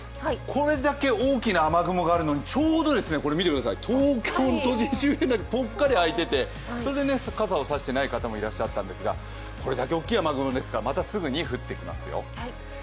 これだけ大きな雨雲があるのにちょうど東京周辺だけぽっかりあいていてそれで傘を差していない方もいらっしゃったんですが、これだけ大きい雨雲ですから、またすぐに降ってきますよ。